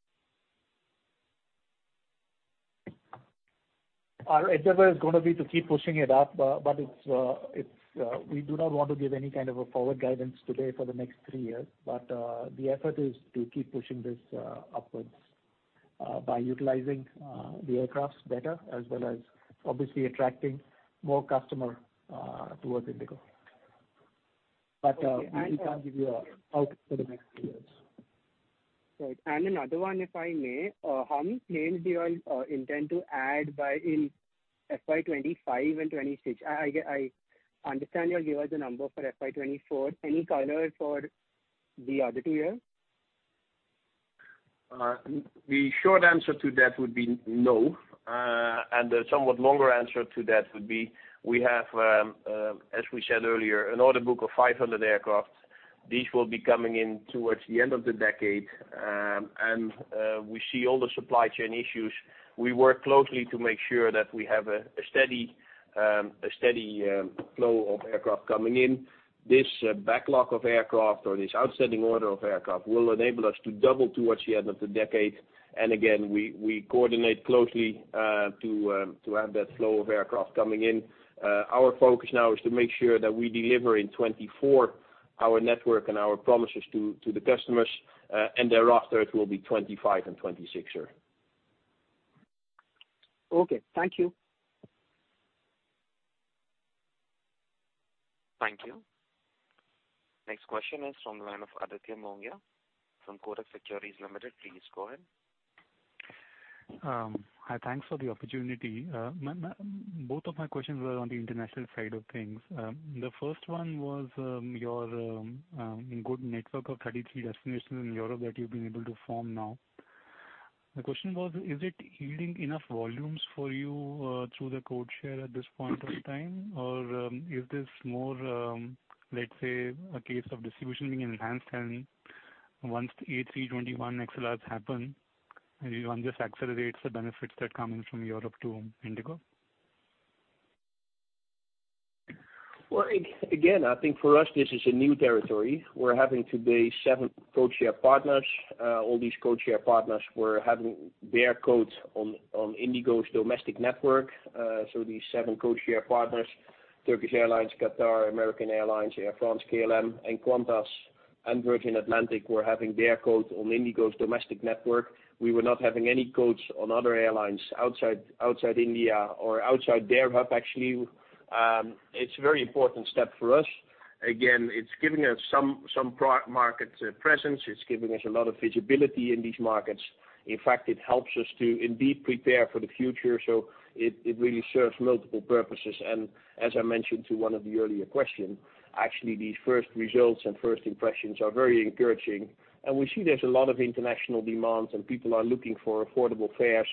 Our endeavor is gonna be to keep pushing it up, but it's, we do not want to give any kind of a forward guidance today for the next three years. The effort is to keep pushing this upwards by utilizing the aircrafts better, as well as obviously attracting more customer towards IndiGo. Okay. We can't give you an outlook for the next three years. Right. Another one, if I may. How many planes do you all intend to add by in FY 2025 and 2026? I understand you have given the number for FY 2024. Any color for the other two years? The short answer to that would be no. The somewhat longer answer to that would be, we have, as we said earlier, an order book of 500 aircraft. These will be coming in towards the end of the decade, we see all the supply chain issues. We work closely to make sure that we have a steady flow of aircraft coming in. This backlog of aircraft or this outstanding order of aircraft will enable us to double towards the end of the decade. Again, we coordinate closely to have that flow of aircraft coming in. Our focus now is to make sure that we deliver in 2024 our network and our promises to the customers, thereafter it will be 2025 and 2026 year. Okay. Thank you. Thank you. Next question is from the line of Aditya Mongia from Kotak Securities Limited. Please go ahead. Hi. Thanks for the opportunity. Both of my questions were on the international side of things. The first one was, your good network of 33 destinations in Europe that you've been able to form now. My question was, is it yielding enough volumes for you, through the code share at this point of time? Or, is this more, let's say, a case of distribution being enhanced, and once the A321XLRs happen, and one just accelerates the benefits that come in from Europe to IndiGo? Well, again, I think for us this is a new territory. We're having today seven code share partners. All these code share partners were having their codes on IndiGo's domestic network. These seven code share partners, Turkish Airlines, Qatar, American Airlines, Air France, KLM, and Qantas, and Virgin Atlantic, were having their codes on IndiGo's domestic network. We were not having any codes on other airlines outside India or outside their hub. Actually, it's a very important step for us. Again, it's giving us some pro- market presence. It's giving us a lot of visibility in these markets. In fact, it helps us to indeed prepare for the future, so it really serves multiple purposes. As I mentioned to one of the earlier question, actually these first results and first impressions are very encouraging. We see there's a lot of international demand, and people are looking for affordable fares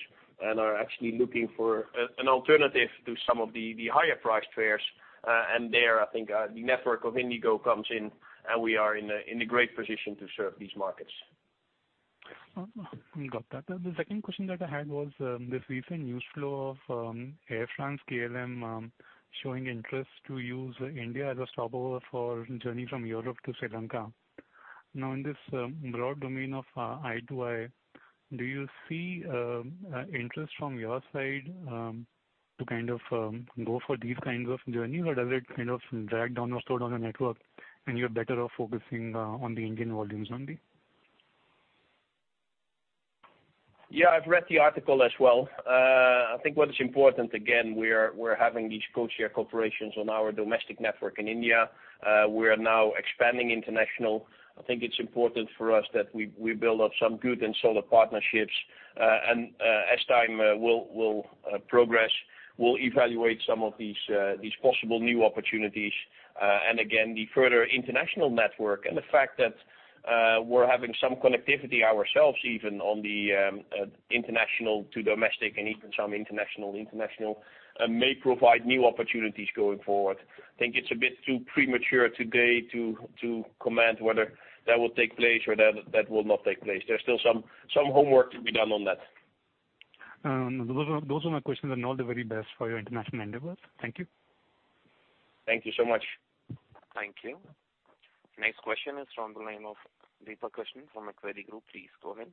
and are actually looking for an alternative to some of the higher priced fares. And there I think, the network of IndiGo comes in, and we are in a great position to serve these markets. Got that. The second question that I had was, this recent news flow of Air France, KLM, showing interest to use India as a stopover for journey from Europe to Sri Lanka. In this broad domain of I2I, do you see interest from your side to kind of go for these kinds of journey? Or does it kind of drag down or slow down your network and you're better off focusing on the Indian volumes only? Yeah, I've read the article as well. I think what is important, again, we're having these code share cooperations on our domestic network in India. We are now expanding international. I think it's important for us that we build up some good and solid partnerships. As time will progress, we'll evaluate some of these possible new opportunities. Again, the further international network and the fact that we're having some connectivity ourselves, even on the international to domestic and even some international-international, may provide new opportunities going forward. I think it's a bit too premature today to comment whether that will take place or that will not take place. There's still some homework to be done on that. Those are, those are my questions, and all the very best for your international endeavors. Thank you. Thank you so much. Thank you. Next question is from the line of Deepak Krishnan from Macquarie. Please go ahead.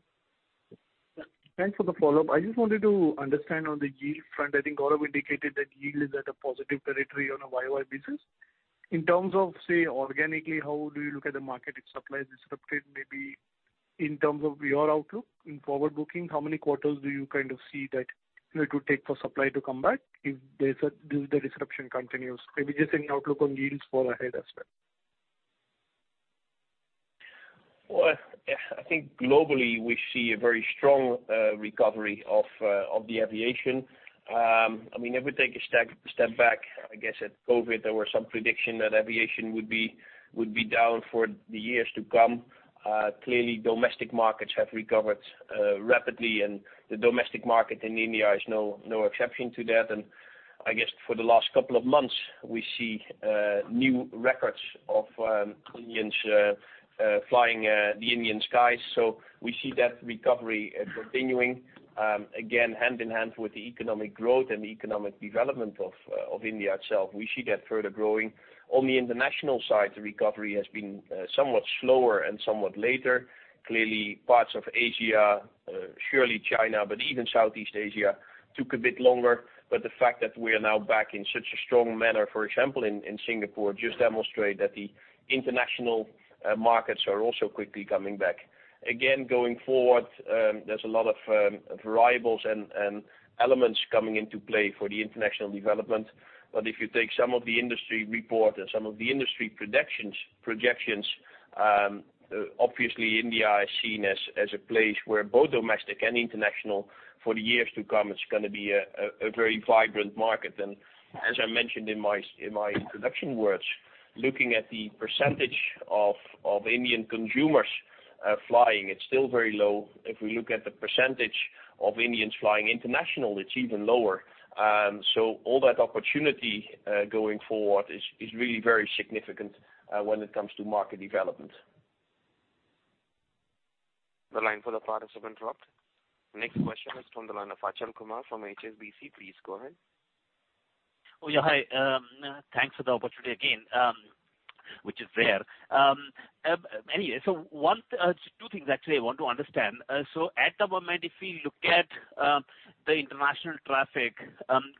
Thanks for the follow-up. I just wanted to understand on the yield front, I think Gaurav indicated that yield is at a positive territory on a YoY basis. In terms of, say, organically, how do you look at the market if supply is disrupted, maybe in terms of your outlook in forward booking, how many quarters do you kind of see that it would take for supply to come back if the disruption continues? Maybe just an outlook on yields for ahead as well. Well, I think globally, we see a very strong recovery of the aviation. I mean, if we take a step back, I guess at COVID, there were some prediction that aviation would be down for the years to come. Clearly domestic markets have recovered rapidly, and the domestic market in India is no exception to that. I guess for the last couple of months, we see new records of Indians flying the Indian skies. We see that recovery continuing again, hand in hand with the economic growth and economic development of India itself. We see that further growing. On the international side, the recovery has been somewhat slower and somewhat later. Clearly, parts of Asia, surely China, but even Southeast Asia took a bit longer. The fact that we are now back in such a strong manner, for example, in Singapore, just demonstrate that the international markets are also quickly coming back. Again, going forward, there's a lot of variables and elements coming into play for the international development. If you take some of the industry report and some of the industry projections, obviously India is seen as a place where both domestic and international for the years to come, it's gonna be a very vibrant market. As I mentioned in my introduction words, looking at the percentage of Indian consumers flying, it's still very low. If we look at the percentage of Indians flying international, it's even lower. All that opportunity going forward is really very significant when it comes to market development. The line for the participant dropped. Next question is from the line of Achal Kumar from HSBC. Please go ahead. Oh, yeah, hi. Thanks for the opportunity again, which is rare. Anyway, two things actually I want to understand. At the moment, if you look at the international traffic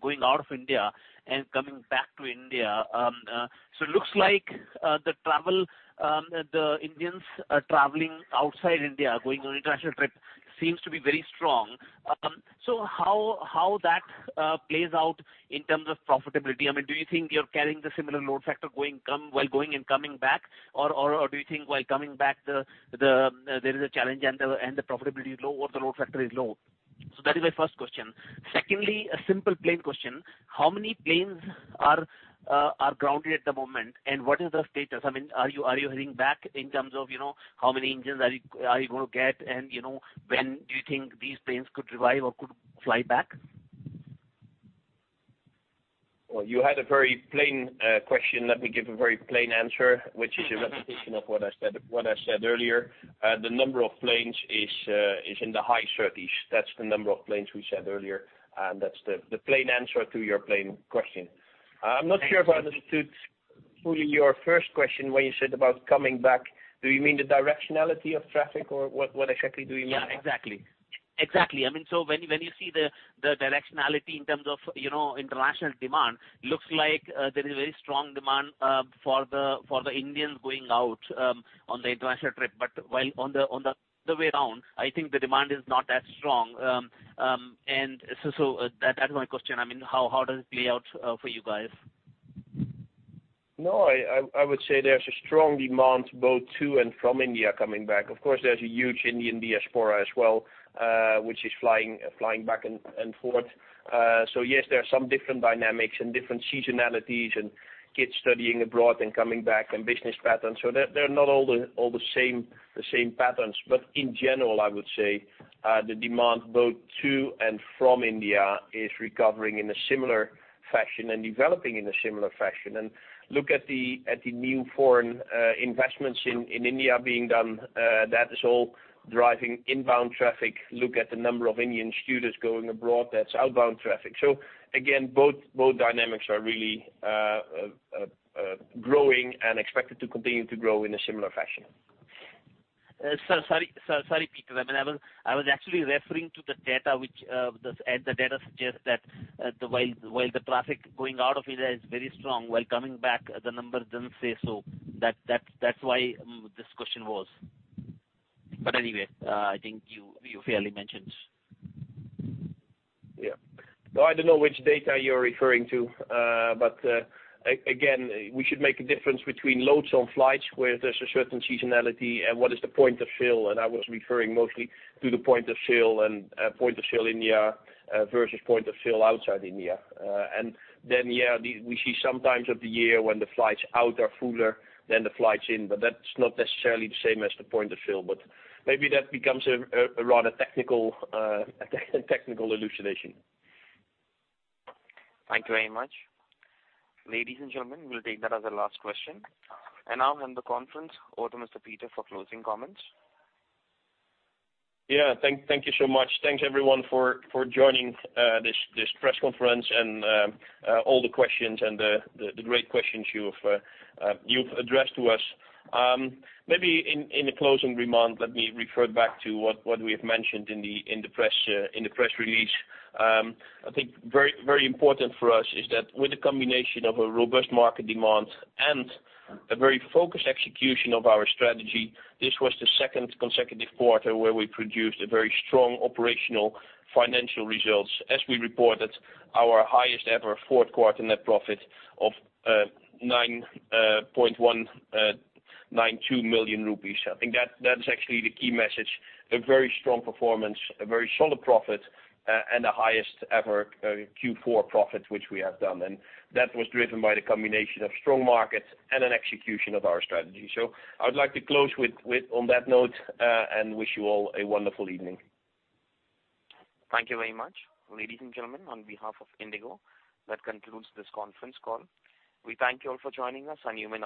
going out of India and coming back to India, it looks like the travel, the Indians are traveling outside India, going on international trip, seems to be very strong. How that plays out in terms of profitability? I mean, do you think you're carrying the similar load factor while going and coming back? Or do you think while coming back there is a challenge, and the profitability is low or the load factor is low? That is my first question. Secondly, a simple plane question, how many planes are grounded at the moment, and what is the status? I mean, are you heading back in terms of, you know, how many engines are you gonna get, and, you know, when do you think these planes could revive or could fly back? Well, you had a very plane question. Let me give a very plane answer, which is a repetition of what I said earlier. The number of planes is in the high 30s. That's the number of planes we said earlier, and that's the plane answer to your plane question. Thank you. I'm not sure if I understood fully your first question when you said about coming back. Do you mean the directionality of traffic, or what exactly do you mean? Yeah, exactly. Exactly. I mean, when you see the directionality in terms of, you know, international demand, looks like there is a very strong demand for the Indians going out on the international trip. While on the way around, I think the demand is not as strong. That's my question. I mean, how does it play out for you guys? No, I would say there's a strong demand both to and from India coming back. Of course, there's a huge Indian diaspora as well, which is flying back and forth. Yes, there are some different dynamics and different seasonalities and kids studying abroad and coming back and business patterns. They're not all the same patterns. In general, I would say, the demand both to and from India is recovering in a similar fashion and developing in a similar fashion. Look at the new foreign investments in India being done, that is all driving inbound traffic. Look at the number of Indian students going abroad, that's outbound traffic. Again, both dynamics are really growing and expected to continue to grow in a similar fashion. Sorry, Peter. I mean, I was actually referring to the data which the data suggests that while the traffic going out of India is very strong, while coming back, the number doesn't say so. That's why this question was. Anyway, I think you fairly mentioned. Yeah. Well, I don't know which data you're referring to, but, again, we should make a difference between loads on flights where there's a certain seasonality and what is the point of fill, and I was referring mostly to the point of fill and, point of fill India, versus point of fill outside India. And then, yeah, the we see some times of the year when the flights out are fuller than the flights in, but that's not necessarily the same as the point of fill. Maybe that becomes a rather technical, a technical elucidation. Thank you very much. Ladies and gentlemen, we'll take that as our last question. Now I'll hand the conference over to Mr. Pieter for closing comments. Yeah. Thank you so much. Thanks everyone for joining this press conference and all the questions and the great questions you've addressed to us. Maybe in a closing remark, let me refer back to what we have mentioned in the press release. I think very important for us is that with the combination of a robust market demand and a very focused execution of our strategy, this was the second consecutive quarter where we produced a very strong operational financial results. We reported our highest ever fourth quarter net profit of 9.192 million rupees. I think that's actually the key message, a very strong performance, a very solid profit, and the highest ever, Q4 profit which we have done, and that was driven by the combination of strong markets and an execution of our strategy. I would like to close with on that note, and wish you all a wonderful evening. Thank you very much. Ladies and gentlemen, on behalf of IndiGo, that concludes this conference call. We thank you all for joining us. You may now disconnect your lines.